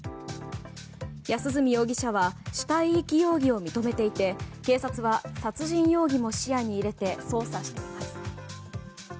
安栖容疑者は死体遺棄容疑を認めていて警察は殺人容疑も視野に入れて捜査しています。